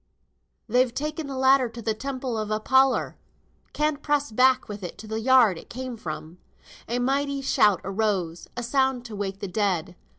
"They've taken th' ladder into th' Temple of Apollor. Can't press back with it to the yard it came from." A mighty shout arose; a sound to wake the dead.